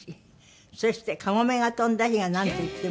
そして『かもめが翔んだ日』がなんといっても。